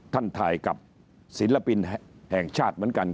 ท่านถ่ายกับศิลปินแห่งชาติเหมือนกัน